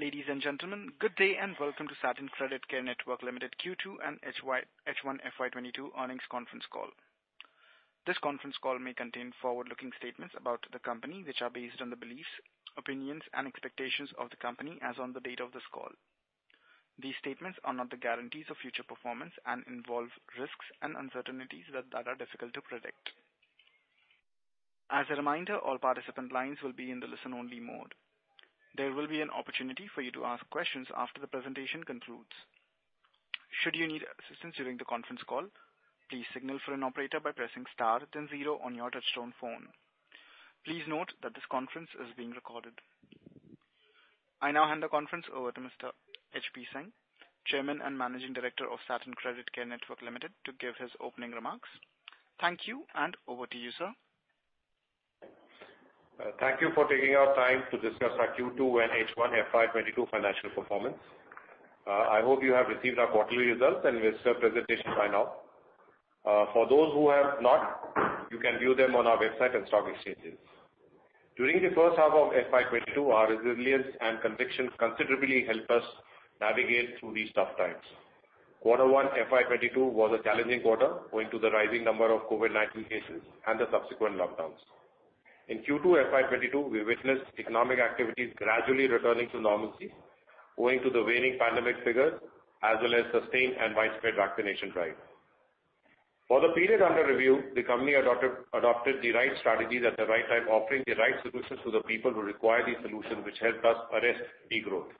Ladies and gentlemen, good day and welcome to Satin Creditcare Network Limited Q2 and H1 FY 2022 Earnings Conference Call. This conference call may contain forward-looking statements about the company, which are based on the beliefs, opinions and expectations of the company as on the date of this call. These statements are not the guarantees of future performance and involve risks and uncertainties that are difficult to predict. As a reminder, all participant lines will be in the listen-only mode. There will be an opportunity for you to ask questions after the presentation concludes. Should you need assistance during the conference call, please signal for an operator by pressing star then zero on your touchtone phone. Please note that this conference is being recorded. I now hand the conference over to Mr. HP Singh, Chairman and Managing Director of Satin Creditcare Network Limited, to give his opening remarks. Thank you, and over to you, sir. Thank you for taking out time to discuss our Q2 and H1 FY 2022 financial performance. I hope you have received our quarterly results and investor presentation by now. For those who have not, you can view them on our website and stock exchanges. During the first half of FY 2022, our resilience and conviction considerably helped us navigate through these tough times. Q1 FY 2022 was a challenging quarter owing to the rising number of COVID-19 cases and the subsequent lockdowns. In Q2 FY 2022, we witnessed economic activities gradually returning to normalcy owing to the waning pandemic figures, as well as sustained and widespread vaccination drive. For the period under review, the company adopted the right strategies at the right time, offering the right solutions to the people who require these solutions, which helped us arrest de-growth.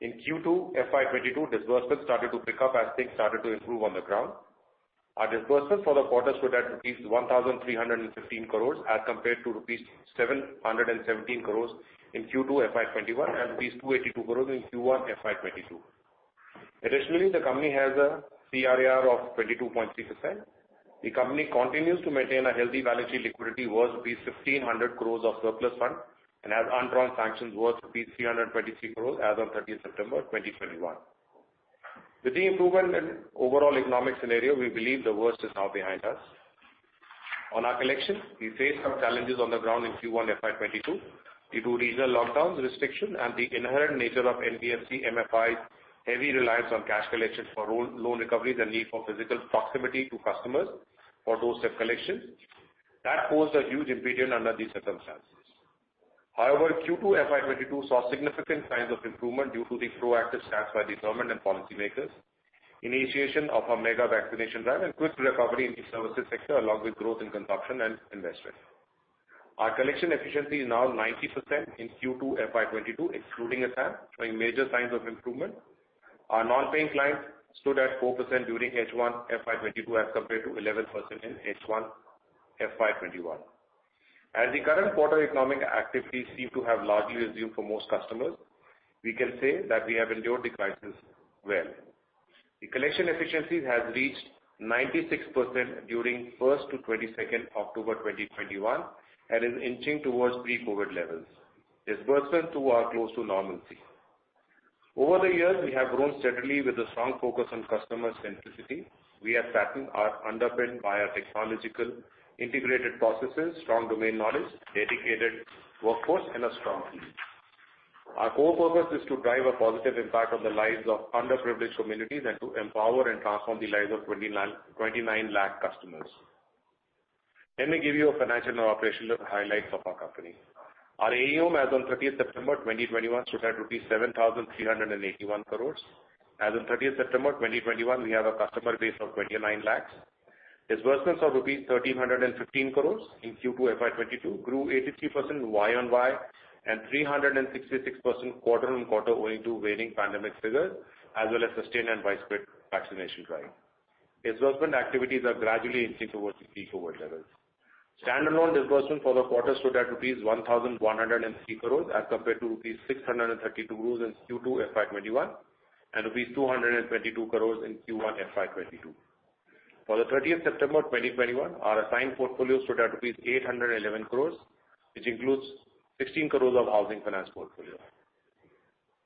In Q2 FY 2022, disbursements started to pick up as things started to improve on the ground. Our disbursements for the quarter stood at INR 1,315 crore as compared to INR 717 crore in Q2 FY 2021 and INR 282 crore in Q1 FY 2022. Additionally, the company has a CRAR of 22.3%. The company continues to maintain healthy liquidity worth 1,500 crore of surplus funds and has undrawn sanctions worth 323 crore as on 30th September 2021. With the improvement in overall economic scenario, we believe the worst is now behind us. On our collections, we faced some challenges on the ground in Q1 FY 2022 due to regional lockdowns, restrictions and the inherent nature of NBFC-MFIs heavy reliance on cash collections for loan recovery, the need for physical proximity to customers for those collections. That posed a huge impediment under these circumstances. However, Q2 FY 2022 saw significant signs of improvement due to the proactive stance by the government and policymakers, initiation of a mega vaccination drive and quick recovery in the services sector along with growth in consumption and investment. Our collection efficiency is now 90% in Q2 FY 2022, excluding Assam, showing major signs of improvement. Our non-paying clients stood at 4% during H1 FY 2022 as compared to 11% in H1 FY 2021. As the current quarter economic activities seem to have largely resumed for most customers, we can say that we have endured the crisis well. The collection efficiencies has reached 96% during first to 22nd October 2021 and is inching towards pre-COVID levels. Disbursement too are close to normalcy. Over the years, we have grown steadily with a strong focus on customer centricity. We at Satin are underpinned by our technological integrated processes, strong domain knowledge, dedicated workforce and a strong team. Our core purpose is to drive a positive impact on the lives of underprivileged communities and to empower and transform the lives of 29 lakh customers. Let me give you a financial and operational highlights of our company. Our AUM as on 30th September 2021 stood at rupees 7,381 crore. As of 30th September 2021, we have a customer base of 29 lakhs. Disbursement of rupees 1,315 crores in Q2 FY 2022 grew 83% YoY and 366% quarter-on-quarter owing to waning pandemic figures as well as sustained and widespread vaccination drive. Disbursement activities are gradually inching towards the pre-COVID levels. Standalone disbursement for the quarter stood at rupees 1,103 crores as compared to rupees 632 crores in Q2 FY 2021 and INR 222 crores in Q1 FY 2022. As of 30th September 2021, our assigned portfolio stood at 811 crores, which includes 16 crores of housing finance portfolio.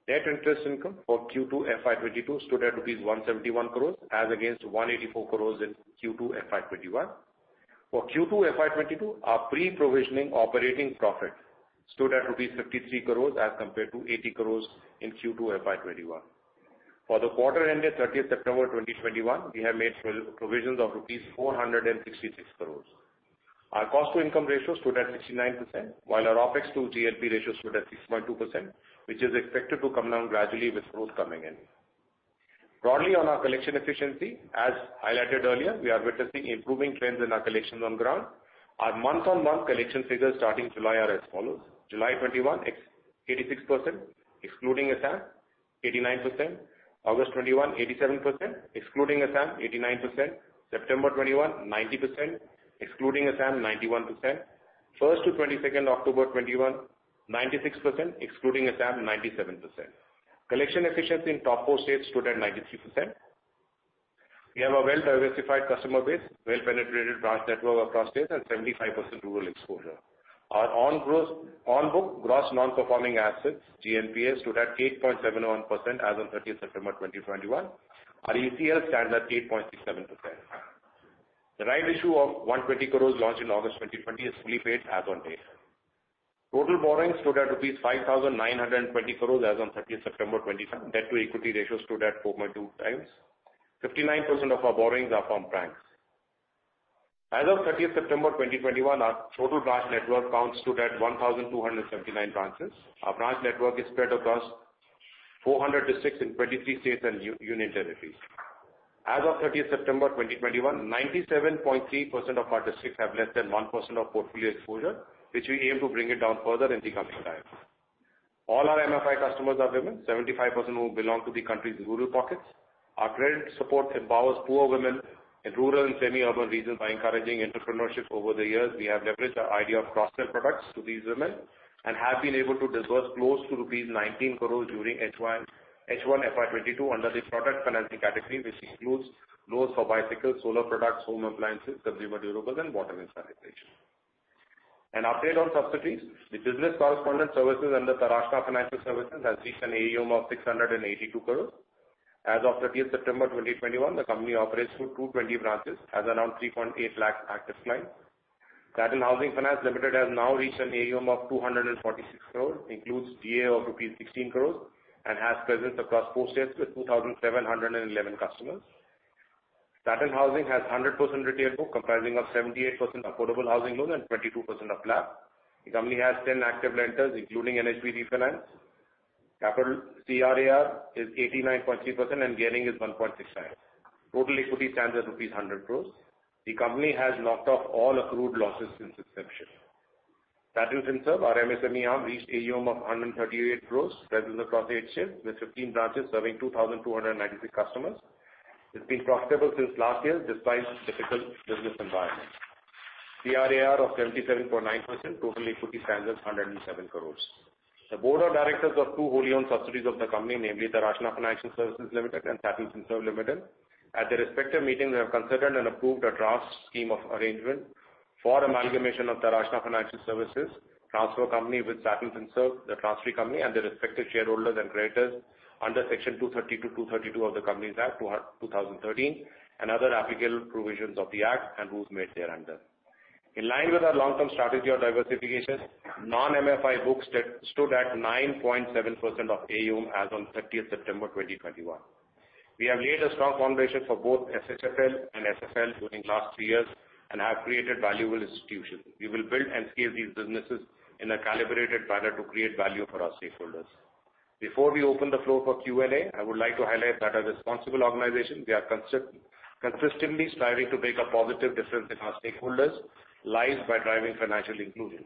Net interest income for Q2 FY 2022 stood at rupees 171 crores as against 184 crores in Q2 FY 2021. For Q2 FY 2022, our pre-provisioning operating profit stood at rupees 53 crore as compared to 80 crore in Q2 FY 2021. For the quarter ended 30th September 2021, we have made provisions of rupees 466 crore. Our cost to income ratio stood at 69%, while our OpEx to GLP ratio stood at 6.2%, which is expected to come down gradually with growth coming in. Broadly on our collection efficiency, as highlighted earlier, we are witnessing improving trends in our collections on ground. Our month-on-month collection figures starting July are as follows: July 2021, 86%, excluding Assam, 89%. August 2021, 87%, excluding Assam, 89%. September 2021, 90%, excluding Assam, 91%. 1st to 22nd October 2021, 96%, excluding Assam, 97%. Collection efficiency in top four states stood at 93%. We have a well-diversified customer base, well-penetrated branch network across states and 75% rural exposure. Our on-book gross non-performing assets, GNPA, stood at 8.71% as on 30th September 2021. Our ECL stands at 8.67%. The rights issue of 120 crore launched in August 2020 is fully paid as on date. Total borrowings stood at rupees 5,920 crore as on 30th September 2020. Debt-to-equity ratio stood at 4.2 times. 59% of our borrowings are from banks. As of 30th September 2021, our total branch network count stood at 1,279 branches. Our branch network is spread across 400 districts in 23 states and union territories. As of 30th September 2021, 97.3% of our districts have less than 1% of portfolio exposure, which we aim to bring it down further in the coming time. All our MFI customers are women. 75% who belong to the country's rural pockets. Our credit support empowers poor women in rural and semi-urban regions by encouraging entrepreneurship. Over the years, we have leveraged the idea of cross-sell products to these women and have been able to disburse close to rupees 19 crore during FY H1 FY 2022 under the product financing category, which includes loans for bicycles, solar products, home appliances, consumer durables and water sanitation. An update on subsidies. The business correspondent services under Taraashna Financial Services has reached an AUM of 682 crore. As of 30th September 2021, the company operates through 220 branches, has around 3.8 lakh active clients. Satin Housing Finance Limited has now reached an AUM of 246 crores, includes GA of INR 16 crores and has presence across 4 states with 2,711 customers. Satin Housing has 100% retail book comprising of 78% affordable housing loans and 22% of LAP. The company has 10 active lenders, including NHB Refinance. Capital CRAR is 89.3% and gearing is 1.6 times. Total equity stands at rupees 100 crores. The company has knocked off all accrued losses since inception. Satin Finserv, our MSME arm, reached AUM of 138 crores, present across 8 states with 15 branches serving 2,296 customers. It's been profitable since last year despite difficult business environment. CRAR of 77.9%. Total equity stands at 107 crore. The board of directors of two wholly-owned subsidiaries of the company, namely Taraashna Financial Services Limited and Satin Finserv Limited, at their respective meetings have considered and approved a draft scheme of arrangement for amalgamation of Taraashna Financial Services, the transferor company, with Satin Finserv, the transferee company, and their respective shareholders and creditors under Section 230 to 232 of the Companies Act, 2013 and other applicable provisions of the Act and rules made thereunder. In line with our long-term strategy of diversification, non-MFI books stood at 9.7% of AUM as on 30th September 2021. We have laid a strong foundation for both SHFL and SFL during last three years and have created valuable institutions. We will build and scale these businesses in a calibrated manner to create value for our stakeholders. Before we open the floor for Q&A, I would like to highlight that as responsible organization, we are consistently striving to make a positive difference in our stakeholders' lives by driving financial inclusion.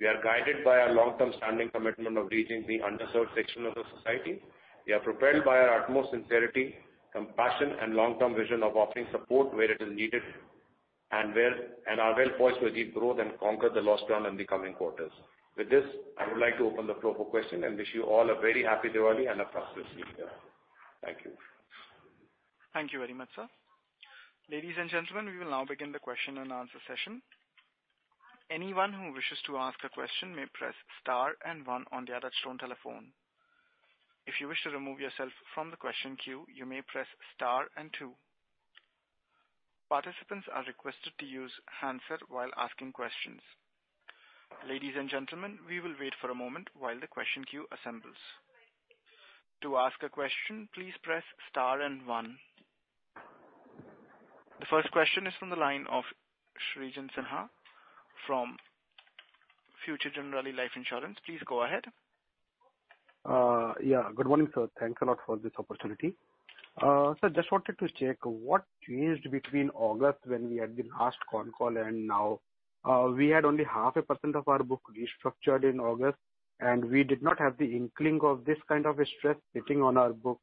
We are guided by our long-term standing commitment of reaching the underserved section of the society. We are propelled by our utmost sincerity, compassion and long-term vision of offering support where it is needed, and are well-poised to achieve growth and conquer the lost ground in the coming quarters. With this, I would like to open the floor for questions and wish you all a very happy Diwali and a prosperous new year. Thank you. Thank you very much, sir. Ladies and gentlemen, we will now begin the question and answer session. Anyone who wishes to ask a question may press star and one on their touchtone telephone. If you wish to remove yourself from the question queue, you may press star and two. Participants are requested to use handset while asking questions. Ladies and gentlemen, we will wait for a moment while the question queue assembles. To ask a question, please press star and one. The first question is from the line of Srijan Sinha from Future Generali Life Insurance. Please go ahead. Good morning, sir. Thanks a lot for this opportunity. Sir, just wanted to check what changed between August when we had the last con call and now. We had only 0.5% of our book restructured in August, and we did not have the inkling of this kind of a stress sitting on our book,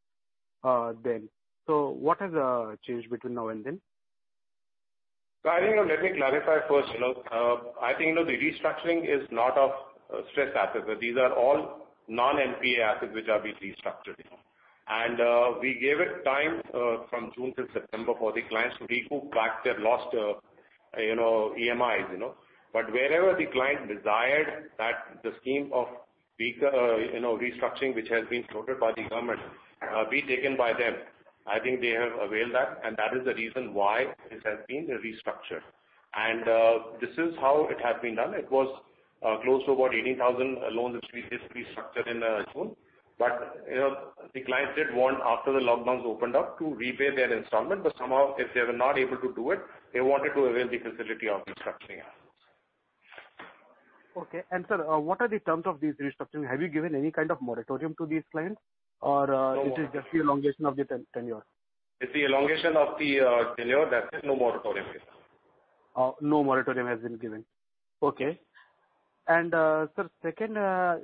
then. What has changed between now and then? I think, let me clarify first. You know, I think, you know, the restructuring is not of stressed assets. These are all non-NPA assets which are being restructured, you know. We gave it time from June till September for the clients to recoup back their lost you know EMIs you know. Wherever the client desired that the scheme of bigger you know restructuring which has been floated by the government be taken by them, I think they have availed that, and that is the reason why this has been restructured. This is how it has been done. It was close to about 18,000 loans which we just restructured in June. You know, the clients did want, after the lockdowns opened up, to repay their installment, but somehow if they were not able to do it, they wanted to avail the facility of restructuring. Okay. Sir, what are the terms of this restructuring? Have you given any kind of moratorium to these clients or? No moratorium. This is just the elongation of the 10 tenure? It's the elongation of the tenure. That's it. No moratorium is there. Oh, no moratorium has been given. Okay. Sir, second,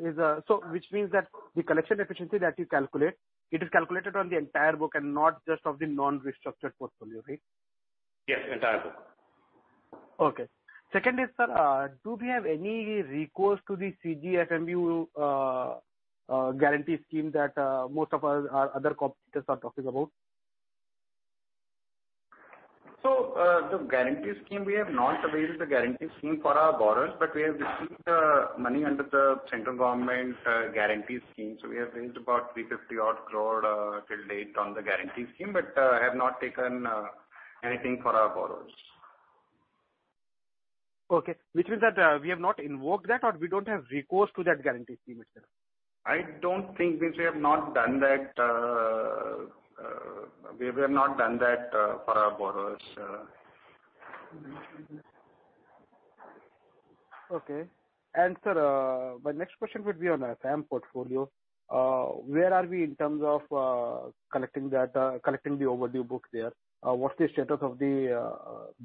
is so which means that the collection efficiency that you calculate, it is calculated on the entire book and not just of the non-restructured portfolio, right? Yes, entire book. Okay. Secondly, sir, do we have any recourse to the CGFMU guarantee scheme that most of our other competitors are talking about? The guarantee scheme, we have not availed the guarantee scheme for our borrowers, but we have received money under the central government guarantee scheme. We have raised about 350 crore till date on the guarantee scheme, but have not taken anything for our borrowers. Okay. Which means that, we have not invoked that or we don't have recourse to that guarantee scheme itself? We have not done that for our borrowers. Okay. Sir, my next question would be on Assam portfolio. Where are we in terms of collecting the overdue book there? What's the status of the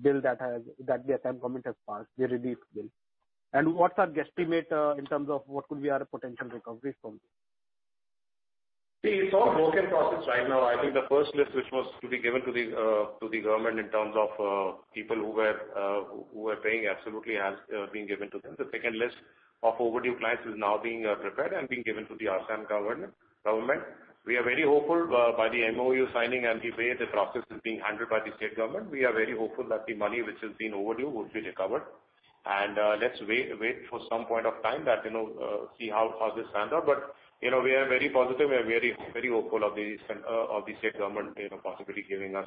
bill that the Assam government has passed, the relief bill? What's our guesstimate in terms of what could be our potential recovery from this? See, it's all work in progress right now. I think the first list which was to be given to the government in terms of people who were paying absolutely has been given to them. The second list of overdue clients is now being prepared and being given to the Assam government. We are very hopeful by the MOU signing and the way the process is being handled by the state government. We are very hopeful that the money which has been overdue would be recovered. Let's wait for some point of time that you know see how this turns out. You know, we are very positive and very hopeful of the state government, you know, possibly giving us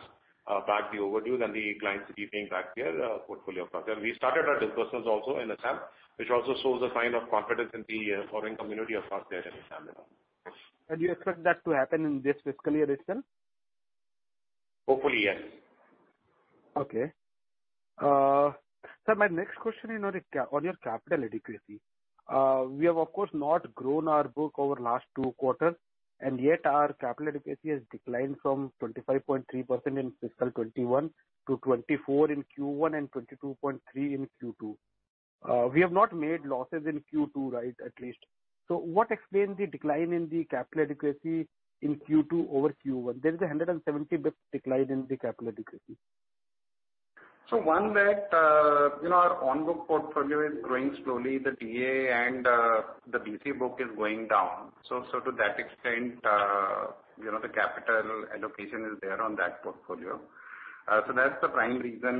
back the overdues and the clients to be paying back their portfolio process. We started our disbursements also in Assam, which also shows a sign of confidence in the borrowing community of course there in Assam, you know. You expect that to happen in this fiscal year itself? Hopefully, yes. Okay. Sir, my next question, you know, on your capital adequacy. We have of course not grown our book over last two quarters, and yet our capital adequacy has declined from 25.3% in fiscal 2021 to 24% in Q1 and 22.3% in Q2. We have not made losses in Q2, right, at least. What explains the decline in the capital adequacy in Q2 over Q1? There is a 170 basis points decline in the capital adequacy. One that, you know, our on-book portfolio is growing slowly, the DA and the BC book is going down. To that extent, you know, the capital allocation is there on that portfolio. That's the prime reason,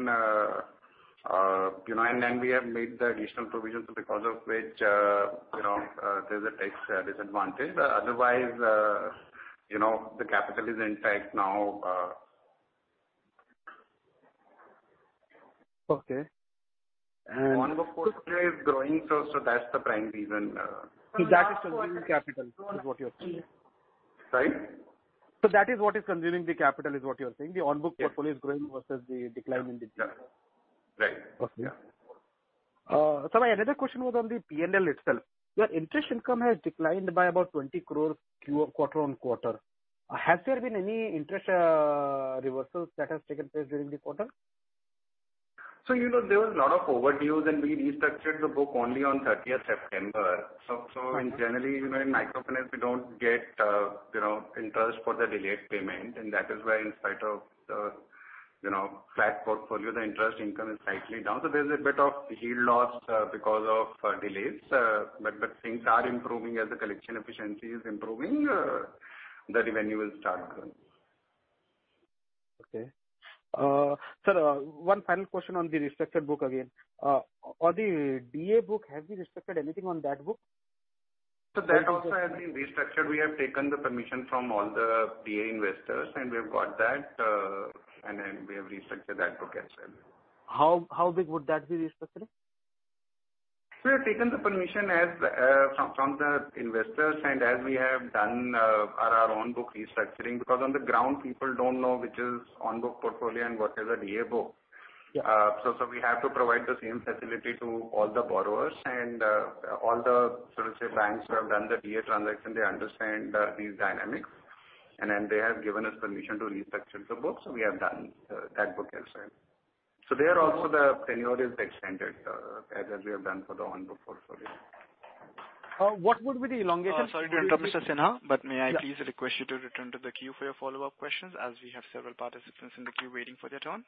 you know, and we have made the additional provisions because of which, you know, there's a tax disadvantage. Otherwise, you know, the capital is intact now. Okay. On-book portfolio is growing, so that's the prime reason. That is consuming capital, is what you're saying. Sorry? That is what is consuming the capital, is what you're saying. The on-book- Yes. portfolio is growing versus the decline in the DA. Right. Okay. Yeah. Sir, my another question was on the P&L itself. Your interest income has declined by about 20 crore quarter-over-quarter. Has there been any interest reversals that has taken place during the quarter? You know, there was a lot of overdues, and we restructured the book only on 30th September. In general, you know, in microfinance, we don't get you know interest for the delayed payment. That is where in spite of the you know flat portfolio, the interest income is slightly down. There's a bit of yield loss because of delays. Things are improving as the collection efficiency is improving. The revenue will start growing. Okay. Sir, one final question on the restructured book again. On the DA book, have you restructured anything on that book? That also has been restructured. We have taken the permission from all the DA investors, and we've got that, and then we have restructured that book as well. How big would that be restructured? We have taken the permission as from the investors and as we have done our on-book restructuring because on the ground people don't know which is on-book portfolio and what is a DA book. Yeah. We have to provide the same facility to all the borrowers and all the so to say banks who have done the DA transaction. They understand these dynamics. Then they have given us permission to restructure the books, so we have done that book as well. There also the tenure is extended, as we have done for the on-book portfolio. What would be the elongation? Sorry to interrupt, Mr. Sinha. Yeah. May I please request you to return to the queue for your follow-up questions, as we have several participants in the queue waiting for their turn?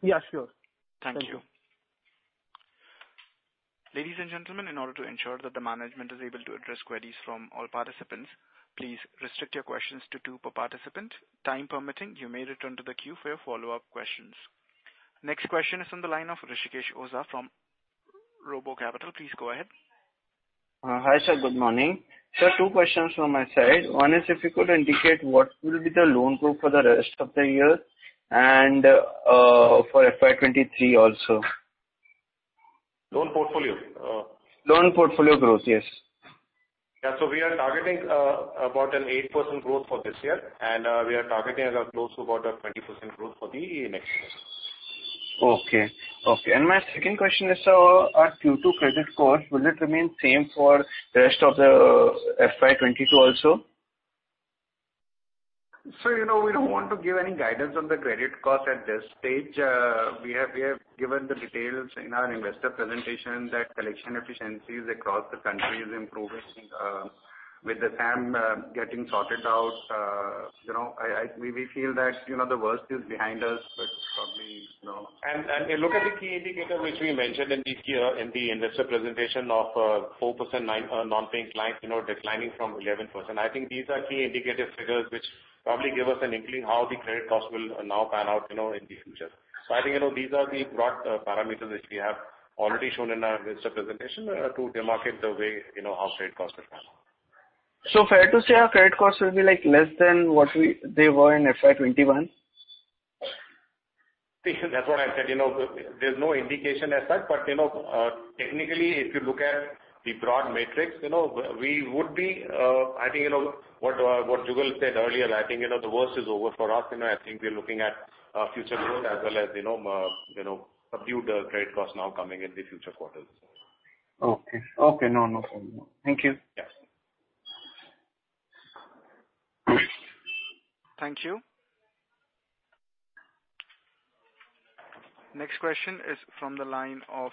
Yeah, sure. Thank you. Thank you. Ladies and gentlemen, in order to ensure that the management is able to address queries from all participants, please restrict your questions to two per participant. Time permitting, you may return to the queue for your follow-up questions. Next question is on the line of Rishikesh Oza from RoboCapital. Please go ahead. Hi, sir. Good morning. Sir, two questions from my side. One is if you could indicate what will be the loan growth for the rest of the year and for FY 2023 also. Loan portfolio? Loan portfolio growth, yes. We are targeting about 8% growth for this year. We are targeting close to about 20% growth for the next year. Okay. My second question is, our Q2 credit cost, will it remain same for the rest of the FY 2022 also? You know, we don't want to give any guidance on the credit cost at this stage. We have given the details in our investor presentation that collection efficiencies across the country is improving, with Assam getting sorted out. You know, we feel that, you know, the worst is behind us, but probably, you know. Look at the key indicator which we mentioned in the investor presentation of 4% non-paying clients, you know, declining from 11%. I think these are key indicative figures which probably give us an inkling how the credit cost will now pan out, you know, in the future. I think, you know, these are the broad parameters which we have already shown in our investor presentation to demarcate the way, you know, how credit costs are panning out. Fair to say our credit costs will be like less than what they were in FY 2021? See, that's what I said, you know, there's no indication as such. You know, technically, if you look at the broad metrics, you know, we would be, I think, you know, what Jugal said earlier, I think, you know, the worst is over for us. You know, I think we are looking at future growth as well as, you know, subdued credit costs now coming in the future quarters. Okay. No, no problem. Thank you. Yes. Thank you. Next question is from the line of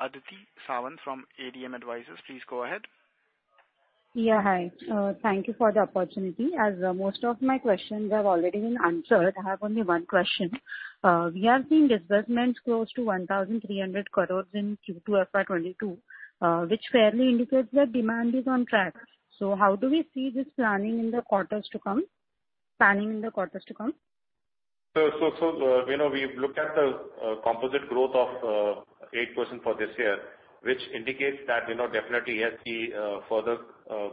Aditi Sawant from ADM Advisors. Please go ahead. Yeah, hi. Thank you for the opportunity. As most of my questions have already been answered, I have only one question. We have seen disbursements close to 1,300 crore in Q2 FY 2022, which fairly indicates that demand is on track. How do we see this planning in the quarters to come? You know, we've looked at the composite growth of 8% for this year, which indicates that, you know, definitely, yes, the further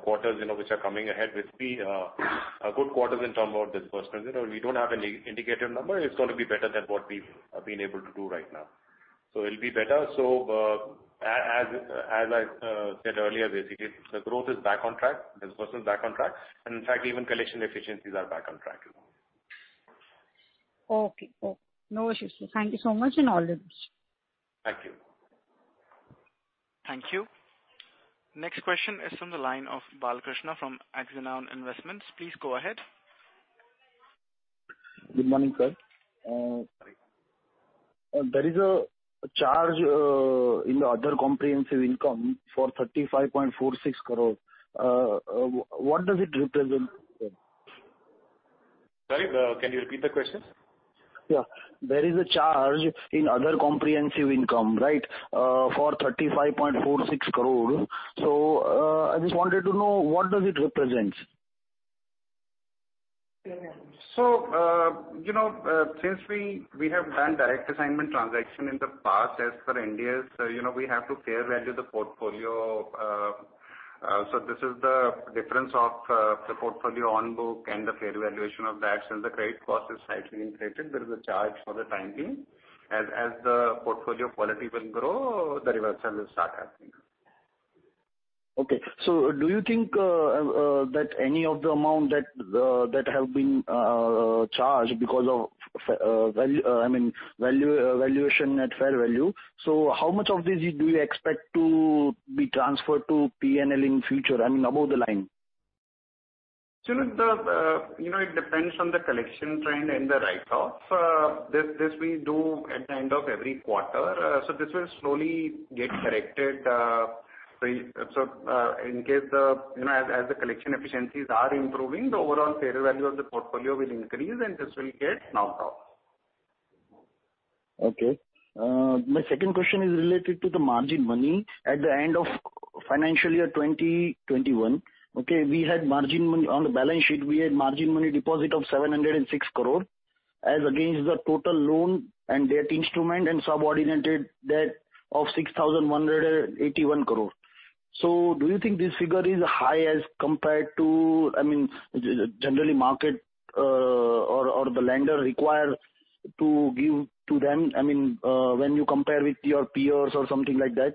quarters, you know, which are coming ahead will be a good quarter in terms of disbursement. You know, we don't have any indicative number. It's gonna be better than what we've been able to do right now. It'll be better. As I said earlier, basically, the growth is back on track, disbursement is back on track, and in fact, even collection efficiencies are back on track, you know. Okay. No issues, sir. Thank you so much and all the best. Thank you. Thank you. Next question is from the line of Balkrushna from Axanoun Investments. Please go ahead. Good morning, sir. There is a charge in the Other Comprehensive Income for 35.46 crore. What does it represent, sir? Sorry, can you repeat the question? Yeah. There is a charge in other comprehensive income, right, for 35.46 crore. I just wanted to know what does it represent? You know, since we have done direct assignment transaction in the past, as per Ind AS, you know, we have to fair value the portfolio. This is the difference of the portfolio on book and the fair valuation of that. Since the credit cost is slightly inflated, there is a charge for the time being. As the portfolio quality will grow, the reversal will start happening. Okay. Do you think that any of the amount that have been charged because of fair value, I mean, valuation at fair value, so how much of this do you expect to be transferred to PNL in future, I mean, above the line? The you know, it depends on the collection trend and the write-off. This we do at the end of every quarter. This will slowly get corrected. In case the, you know, as the collection efficiencies are improving, the overall fair value of the portfolio will increase, and this will get knocked off. Okay. My second question is related to the margin money. At the end of financial year 2021, we had margin money on the balance sheet. We had margin money deposit of 706 crore as against the total loan and debt instrument and subordinated debt of 6,181 crore. Do you think this figure is high as compared to, I mean, generally market, or the lender require to give to them? I mean, when you compare with your peers or something like that.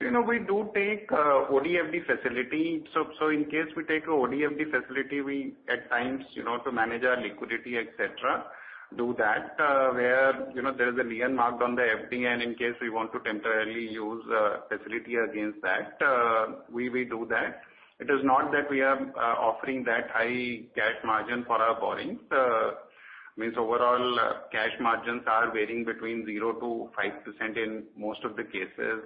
You know, we do take OD against FD facility. In case we take a OD against FD facility, we at times, you know, to manage our liquidity, et cetera, do that, where, you know, there is a lien marked on the FD. In case we want to temporarily use facility against that, we do that. It is not that we are offering that high cash margin for our borrowings. I mean, overall cash margins are varying between 0%-5% in most of the cases.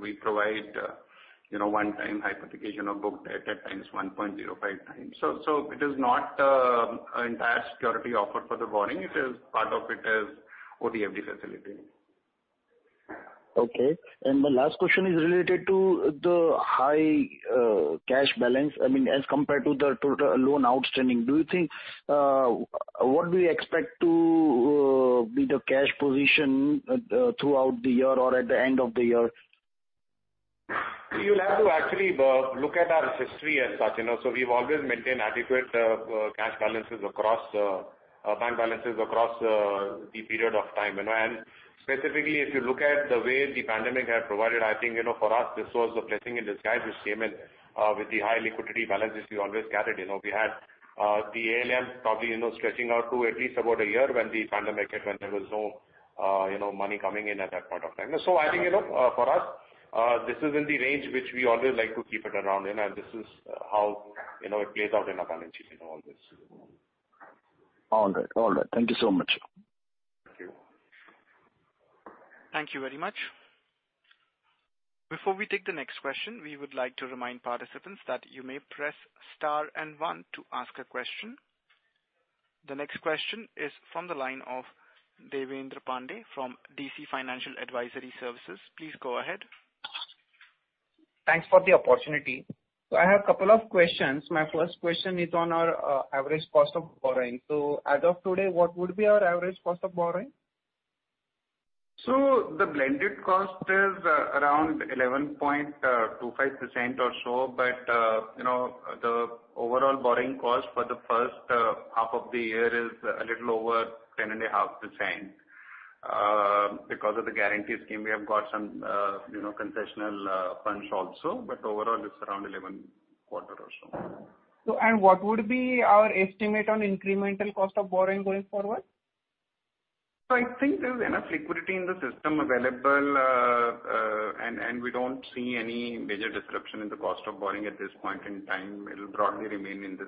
We provide, you know, one-time hypothecation of book at times 1.05 times. It is not an entire security offer for the borrowing. It is part of it is OD against FD facility. Okay. My last question is related to the high cash balance, I mean, as compared to the total loan outstanding. Do you think what do you expect to be the cash position throughout the year or at the end of the year? You'll have to actually look at our history as such, you know. We've always maintained adequate cash and bank balances across the period of time, you know. Specifically, if you look at the way the pandemic had provided, I think, you know, for us this was a blessing in disguise which came in with the high liquidity balances we always carried. You know, we had the ALMs probably, you know, stretching out to at least about a year when the pandemic hit, when there was no, you know, money coming in at that point of time. I think, you know, for us, this is in the range which we always like to keep it around in, and this is how, you know, it plays out in our balance sheet, you know, all this. All right. Thank you so much. Thank you. Thank you very much. Before we take the next question, we would like to remind participants that you may press star and one to ask a question. The next question is from the line of Devendra Pandey from DC Financial Advisory Services. Please go ahead. Thanks for the opportunity. I have a couple of questions. My first question is on our average cost of borrowing. As of today, what would be our average cost of borrowing? The blended cost is around 11.25% or so, but you know, the overall borrowing cost for the first half of the year is a little over 10.5%. Because of the guarantee scheme, we have got some you know, concessional funds also, but overall it's around 11.25 or so. What would be our estimate on incremental cost of borrowing going forward? I think there's enough liquidity in the system available, and we don't see any major disruption in the cost of borrowing at this point in time. It'll broadly remain in the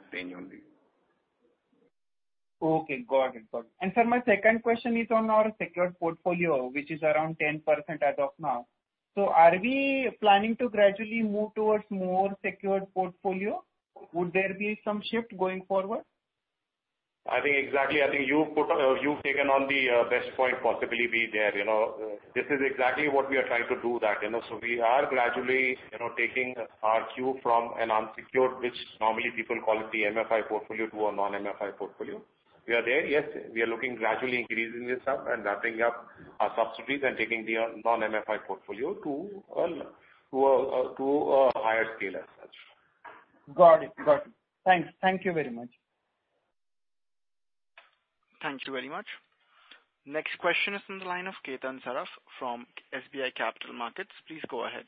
same only. Okay. Got it. Sir, my second question is on our secured portfolio, which is around 10% as of now. Are we planning to gradually move towards more secured portfolio? Would there be some shift going forward? I think exactly. I think you put, you've taken on the best point possibly be there. You know, this is exactly what we are trying to do that, you know. We are gradually, you know, taking our cue from an unsecured, which normally people call it the MFI portfolio to a non-MFI portfolio. We are there, yes. We are looking gradually increasing this up and wrapping up our subsidiaries and taking the non-MFI portfolio to a higher scale as such. Got it. Thanks. Thank you very much. Thank you very much. Next question is in the line of Ketan Saraf from SBI Capital Markets. Please go ahead.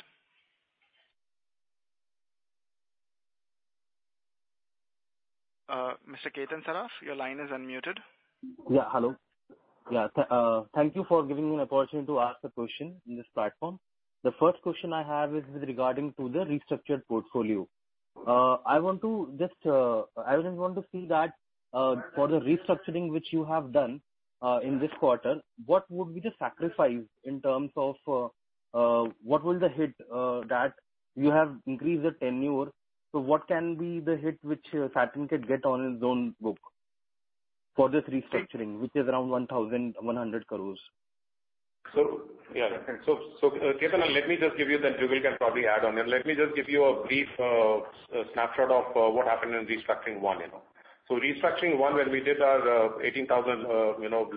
Mr. Ketan Saraf, your line is unmuted. Hello. Thank you for giving me an opportunity to ask a question in this platform. The first question I have is with regard to the restructured portfolio. I would want to see that, for the restructuring which you have done in this quarter, what would be the sacrifice in terms of, what will the hit, that you have increased the tenure. What can be the hit which Satin Creditcare gets on its own book for this restructuring, which is around 1,100 crores? Ketan, let me just give you then Jugal can probably add on. Let me just give you a brief snapshot of what happened in restructuring one, you know. Restructuring one, when we did our 18,000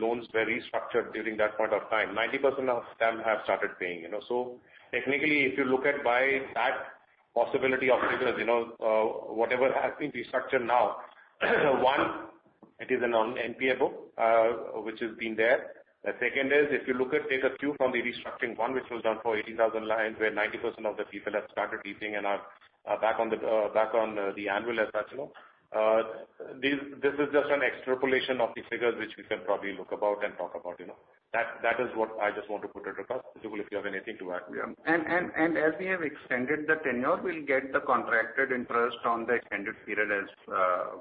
loans were restructured during that point of time, 90% of them have started paying, you know. Technically, if you look at by that possibility of figures, you know, whatever has been restructured now, one, it is a non-NPA book which has been there. The second is if you look at take a cue from the restructuring one, which was done for 80,000 loans, where 90% of the people have started repaying and are back on the normal as such, you know. This is just an extrapolation of the figures which we can probably look about and talk about, you know. That is what I just want to put it across. Jugal, if you have anything to add. As we have extended the tenure, we'll get the contracted interest on the extended period as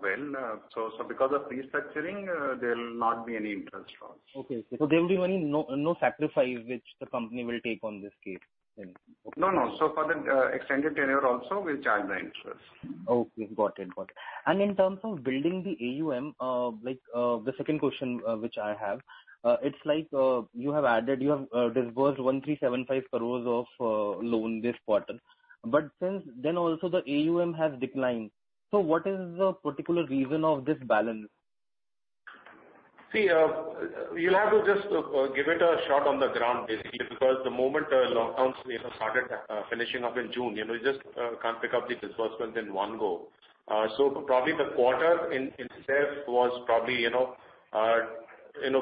well. Because of restructuring, there'll not be any interest loss. There will be no sacrifice which the company will take on this case then. No, no. For the extended tenure also, we'll charge the interest. Okay. Got it. In terms of building the AUM, like, the second question, which I have, it's like, you have disbursed 1,375 crores of loan this quarter, but since then also the AUM has declined. What is the particular reason of this balance? See, you'll have to just give it a shot on the ground basically, because the moment lockdowns you know started finishing up in June, you know, you just can't pick up the disbursements in one go. Probably the quarter in itself was probably, you know,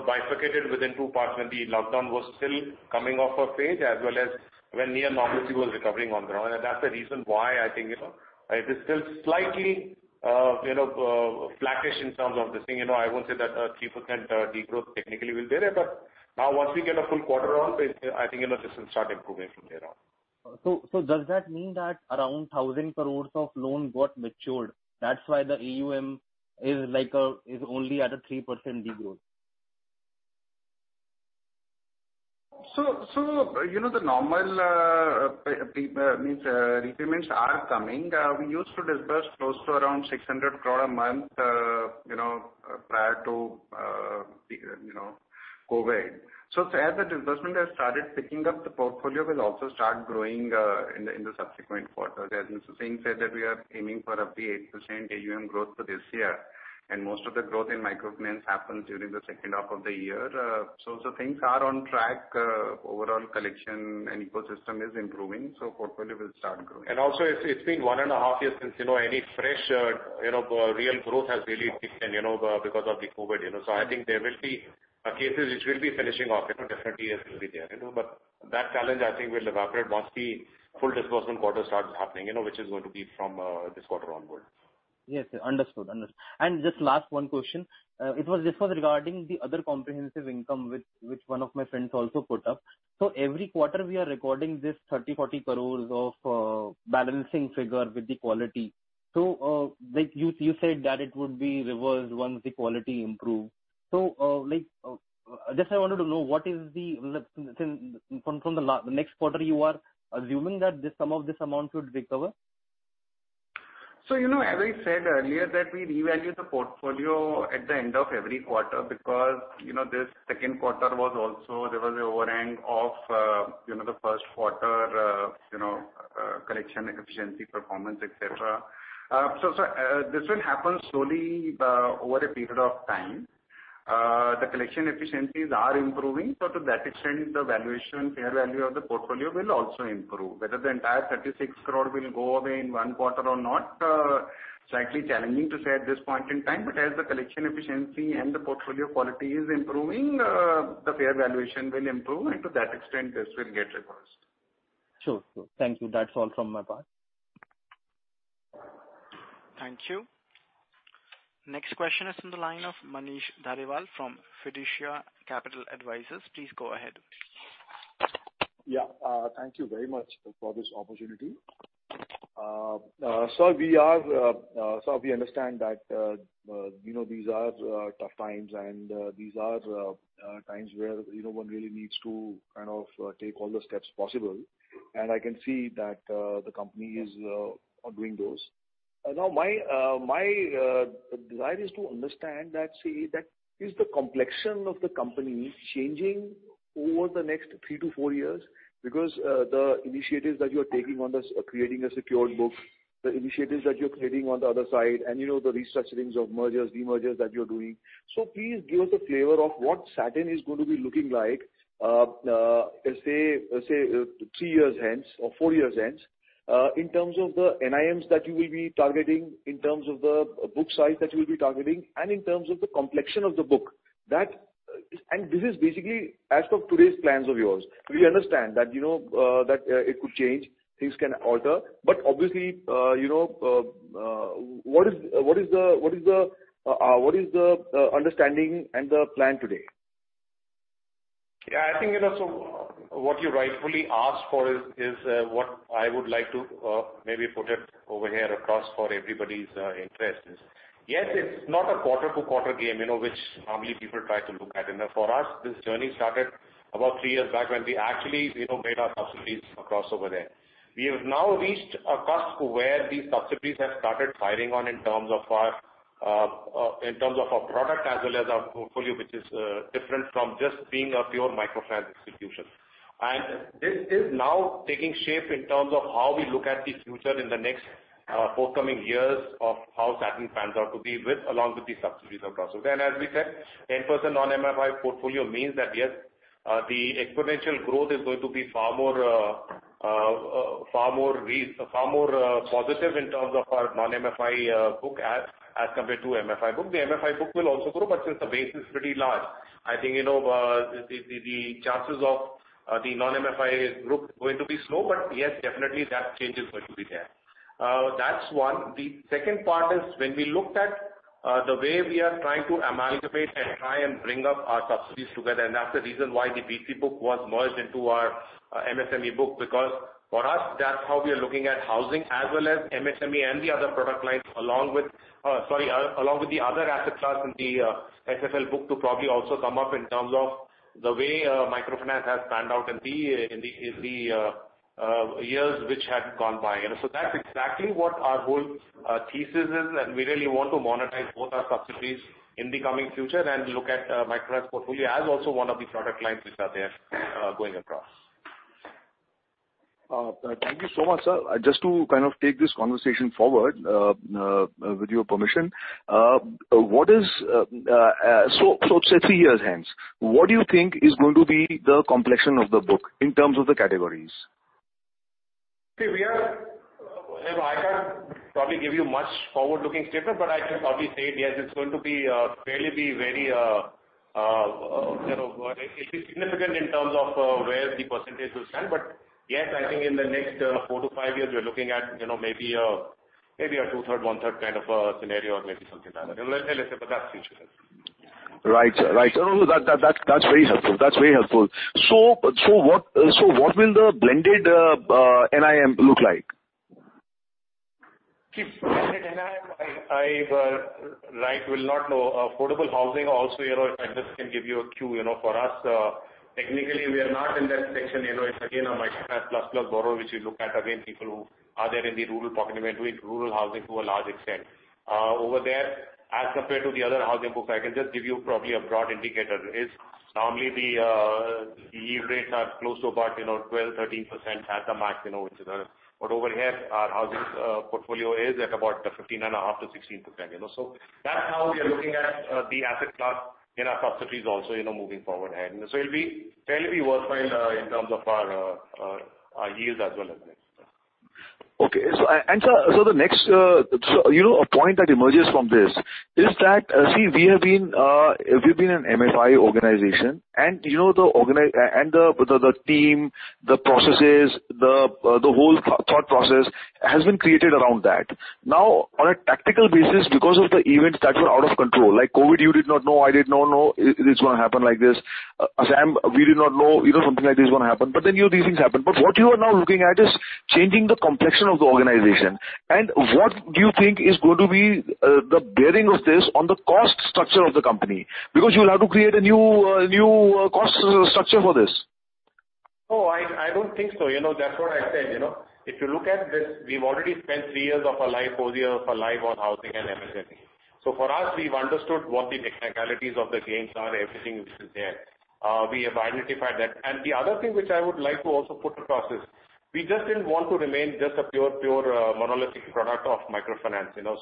bifurcated within two parts when the lockdown was still coming off a phase as well as when near normalcy was recovering on the ground. That's the reason why I think, you know, it is still slightly, you know, flattish in terms of this thing. You know, I won't say that a 3% degrowth technically will be there, but now once we get a full quarter on, I think, you know, this will start improving from there on. Does that mean that around 1,000 crore of loan got matured? That's why the AUM is like, is only at a 3% degrowth. You know, the normal payments are coming. We used to disburse close to around 600 crore a month, you know, prior to the COVID. As the disbursement has started picking up, the portfolio will also start growing in the subsequent quarters. As Mr. Singh said that we are aiming for up to 8% AUM growth for this year, and most of the growth in microfinance happens during the second half of the year. Things are on track. Overall collection and ecosystem is improving, so portfolio will start growing. Also it's been one and a half years since, you know, any fresh, you know, real growth has really kicked in, you know, because of the COVID, you know. I think there will be cases which will be finishing off. You know, definitely it will be there, you know. That challenge I think will evaporate once the full disbursement quarter starts happening, you know, which is going to be from, this quarter onwards. Yes, understood. Just last one question. It was just regarding the other comprehensive income which one of my friends also put up. Every quarter we are recording this 30 crore-40 crore of balancing figure with the quality. Like you said that it would be reversed once the quality improve. Like, just I wanted to know what is the, from the next quarter, you are assuming that this some of this amount would recover? You know, as I said earlier that we reevaluate the portfolio at the end of every quarter because, you know, there was an overhang of the first quarter, you know, collection efficiency, performance, et cetera. This will happen slowly over a period of time. The collection efficiencies are improving, so to that extent, the valuation, fair value of the portfolio will also improve. Whether the entire 36 crore will go away in one quarter or not, it's slightly challenging to say at this point in time, but as the collection efficiency and the portfolio quality is improving, the fair valuation will improve, and to that extent, this will get reversed. Sure. Thank you. That's all from my part. Thank you. Next question is from the line of Manish Dhariwal from Fiducia Capital Advisors. Please go ahead. Yeah. Thank you very much for this opportunity. Sir, we understand that, you know, these are tough times, and these are times where, you know, one really needs to kind of take all the steps possible, and I can see that the company are doing those. Now my desire is to understand that, see, that is the complexion of the company changing over the next 3-4 years because the initiatives that you're taking on this are creating a secured book, the initiatives that you're creating on the other side, and you know, the restructurings of mergers, de-mergers that you're doing. Please give us a flavor of what Satin is going to be looking like, let's say three years hence or four years hence, in terms of the NIMs that you will be targeting, in terms of the book size that you will be targeting, and in terms of the complexion of the book. That. This is basically as of today's plans of yours. We understand that it could change, things can alter, but obviously what is the understanding and the plan today? Yeah, I think, you know, so what you rightfully asked for is what I would like to maybe put it over here across for everybody's interest is. Yes, it's not a quarter-to-quarter game, you know, which normally people try to look at. You know, for us, this journey started about three years back when we actually, you know, made our subsidiaries across over there. We have now reached a cusp where these subsidiaries have started firing on in terms of our product as well as our portfolio, which is different from just being a pure microfinance institution. This is now taking shape in terms of how we look at the future in the next forthcoming years of how Satin plans out to be along with the subsidiaries across. As we said, 10% non-MFI portfolio means that, yes, the exponential growth is going to be far more positive in terms of our non-MFI book as compared to MFI book. The MFI book will also grow, but since the base is pretty large, I think, you know, the chances of the non-MFI growth going to be slow, but yes, definitely that change is going to be there. That's one. The second part is when we looked at the way we are trying to amalgamate and try and bring up our subsidiaries together, and that's the reason why the BC book was merged into our MSME book, because for us, that's how we are looking at housing as well as MSME and the other product lines along with the other asset class in the SFL book to probably also come up in terms of the way microfinance has panned out in the years which had gone by. That's exactly what our whole thesis is, and we really want to monetize both our subsidiaries in the coming future and look at microfinance portfolio as also one of the product lines which are there going across. Thank you so much, sir. Just to kind of take this conversation forward, with your permission, so say three years hence, what do you think is going to be the complexion of the book in terms of the categories? Okay. No, I can't probably give you much forward-looking statement, but I can probably say, yes, it's going to be fairly be very, you know, it'll be significant in terms of where the percentage will stand. Yes, I think in the next four to five years, we're looking at, you know, maybe a two-third, one-third kind of a scenario or maybe something like that. You know, let's say, but that's future. Right. No, that's very helpful. What will the blended NIM look like? The blended NIM. I will not know. Affordable housing also, you know, if I just can give you a cue, you know, for us, technically we are not in that section. You know, it's again a microfinance plus plus borrower, which we look at again, people who are there in the rural pockets and we're doing rural housing to a large extent. Over there, as compared to the other housing books, I can just give you probably a broad indicator. Normally the yield rates are close to about, you know, 12%-13% at the max, you know, which is, but over here, our housing portfolio is at about 15.5%-16%, you know. That's how we are looking at the asset class in our subsidiaries also, you know, moving forward ahead. It'll be fairly worthwhile in terms of our yields as well as this. Sir, the next, you know, a point that emerges from this is that, see, we've been an MFI organization and, you know, the team, the processes, the whole thought process has been created around that. Now, on a tactical basis, because of the events that were out of control, like COVID, you did not know, I did not know it's gonna happen like this. Assam, we did not know, you know, something like this is gonna happen. You know, these things happen. What you are now looking at is changing the complexion of the organization. What do you think is going to be the bearing of this on the cost structure of the company? Because you'll have to create a new cost structure for this. No, I don't think so. You know, that's what I said. You know, if you look at this, we've already spent three years of our life, four years of our life on housing and MSME. For us, we've understood what the technicalities of the gains are, everything which is there. We have identified that. The other thing which I would like to also put across is we just didn't want to remain just a pure, monolithic product of microfinance, you know.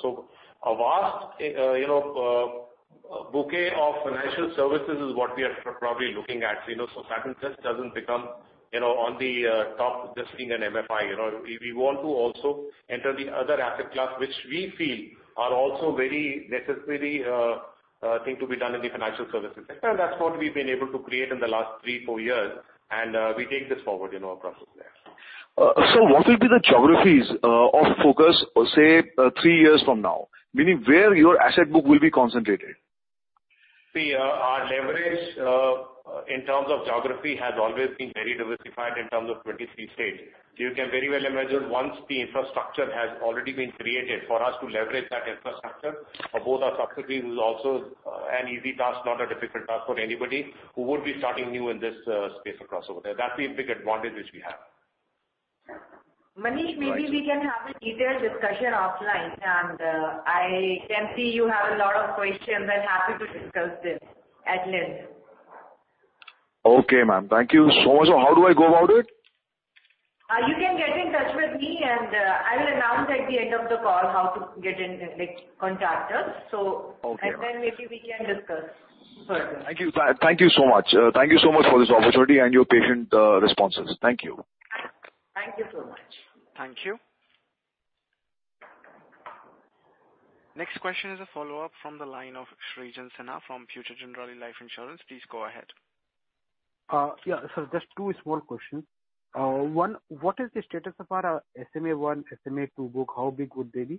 A vast, bouquet of financial services is what we are probably looking at. You know, Satin just doesn't become, you know, on the top just being an MFI, you know. We want to also enter the other asset class which we feel are also very necessary thing to be done in the financial services sector. That's what we've been able to create in the last 3-4 years, and we take this forward, you know, across it there. What will be the geographies of focus, say, three years from now? Meaning where your asset book will be concentrated. See, our leverage in terms of geography has always been very diversified in terms of 23 states. You can very well imagine once the infrastructure has already been created for us to leverage that infrastructure for both our subsidiaries is also an easy task, not a difficult task for anybody who would be starting new in this space over there. That's the big advantage which we have. Manish, maybe we can have a detailed discussion offline, and I can see you have a lot of questions. I'm happy to discuss this at length. Okay, ma'am. Thank you so much. How do I go about it? You can get in touch with me and I will announce at the end of the call how to get in, like, contact us. Okay. Maybe we can discuss further. Thank you. Thank you so much. Thank you so much for this opportunity and your patient responses. Thank you. Thank you so much. Thank you. Next question is a follow-up from the line of Srijan Sinha from Future Generali Life Insurance. Please go ahead. Yeah, just two small questions. One, what is the status of our SMA one, SMA two book? How big would they be,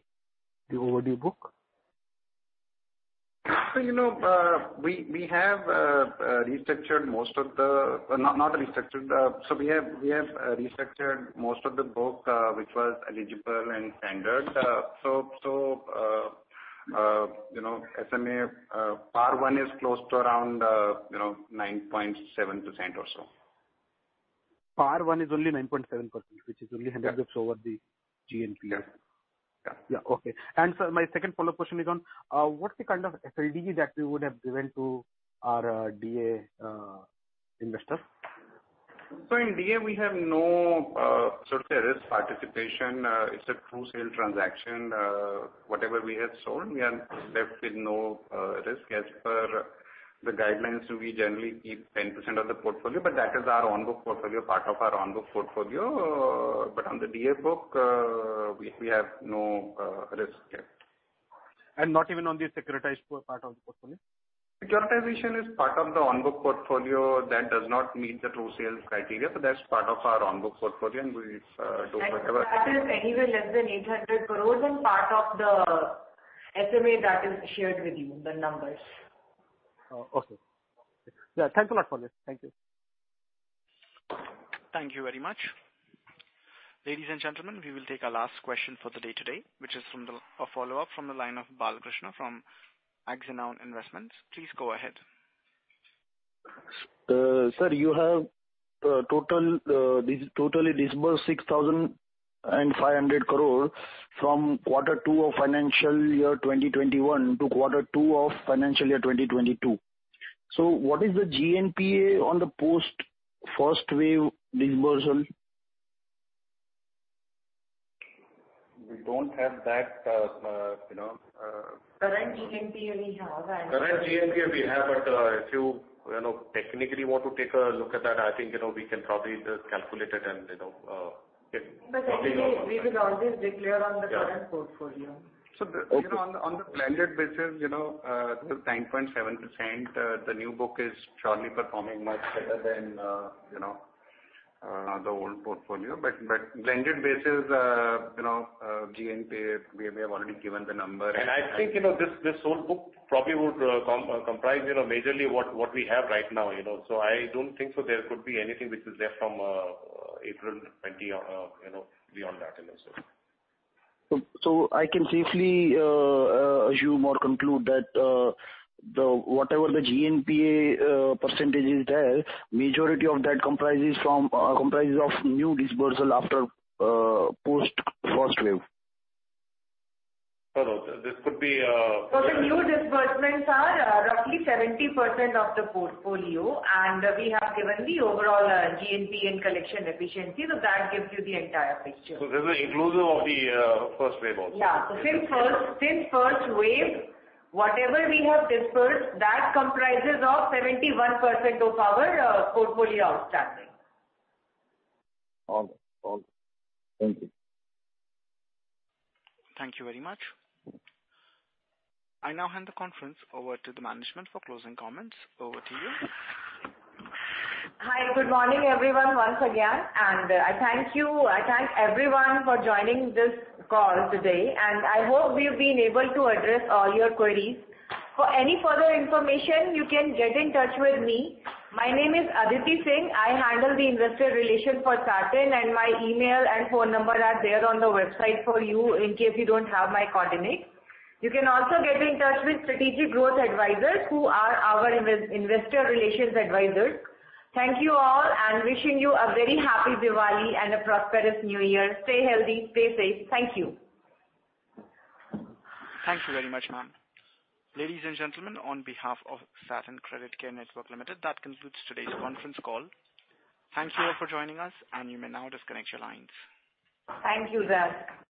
the overdue book? You know, we have restructured most of the book, which was eligible and standard. You know, SMA, PAR one is close to around 9.7% or so. PAR 1 is only 9.7%, which is only Yeah. 100 books over the GNPA. Yeah. Yeah. Okay. Sir, my second follow-up question is on, what's the kind of FLDG that we would have given to our DA, investors? In DA we have no sort of say risk participation. It's a true sale transaction. Whatever we have sold, we are left with no risk. As per the guidelines, we generally keep 10% of the portfolio, but that is our on-book portfolio, part of our on-book portfolio. On the DA book, we have no risk here. Not even on the securitized part of the portfolio? Securitization is part of the on-book portfolio that does not meet the true sales criteria. That's part of our on-book portfolio, and we don't have- That is anywhere less than 800 crore and part of the SMA that is shared with you, the numbers. Oh, okay. Yeah, thanks a lot for this. Thank you. Thank you very much. Ladies and gentlemen, we will take our last question for the day today, which is a follow-up from the line of Balkrushna from Axanoun Investments. Please go ahead. Sir, you have total disbursed 6,500 crore from quarter two of financial year 2021 to quarter two of financial year 2022. What is the GNPA on the post-first-wave disbursement? We don't have that, you know, Current GNPA we have. Current GNPA we have, but if you know, technically want to take a look at that, I think, you know, we can probably just calculate it and, you know, get probably. Anyway, we will always declare on the current portfolio. So the- You know, on the blended basis, you know, it is 9.7%. The new book is surely performing much better than the old portfolio. Blended basis, GNPA, we have already given the number and I think, you know, this whole book probably would comprise, you know, majorly what we have right now, you know? I don't think so there could be anything which is there from April 2020, you know, beyond that, you know, so. I can safely assume or conclude that whatever the GNPA percentage is there, majority of that comprises of new disbursement after post first wave. No, no. This could be. The new disbursements are roughly 70% of the portfolio, and we have given the overall GNPA and collection efficiency. That gives you the entire picture. This is inclusive of the first wave also. Yeah. Since first wave, whatever we have disbursed, that comprises of 71% of our portfolio outstanding. All good. All good. Thank you. Thank you very much. I now hand the conference over to the management for closing comments. Over to you. Hi, good morning, everyone, once again, and thank you. I thank everyone for joining this call today, and I hope we've been able to address all your queries. For any further information, you can get in touch with me. My name is Aditi Singh. I handle the investor relations for Satin, and my email and phone number are there on the website for you in case you don't have my coordinates. You can also get in touch with Strategic Growth Advisors, who are our investor relations advisors. Thank you all, and wishing you a very happy Diwali and a prosperous New Year. Stay healthy, stay safe. Thank you. Thank you very much, ma'am. Ladies and gentlemen, on behalf of Satin Creditcare Network Limited, that concludes today's conference call. Thank you for joining us, and you may now disconnect your lines. Thank you, guys.